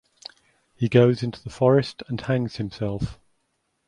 He goes into the forest and hangs himself.